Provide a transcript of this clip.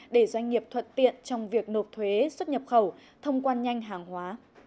để doanh nghiệp thuận tiện trong việc nộp thuế xuất nhập khẩu thông quan nhanh hàng hóa